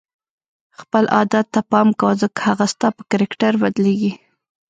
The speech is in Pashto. خپل عادت ته پام کوه ځکه هغه ستا په کرکټر بدلیږي.